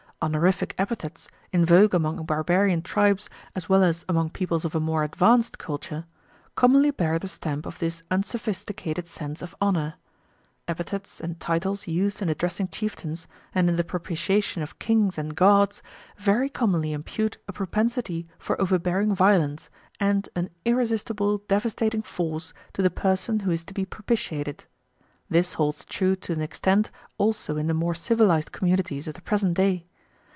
Honorific epithets, in vogue among barbarian tribes as well as among peoples of a more advance culture, commonly bear the stamp of this unsophisticated sense of honour. Epithets and titles used in addressing chieftains, and in the propitiation of kings and gods, very commonly impute a propensity for overbearing violence and an irresistible devastating force to the person who is to be propitiated. This holds true to an extent also in the more civilised communities of the present day.